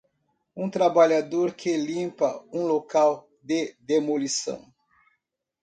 Um trabalhador que limpa um local de demolição.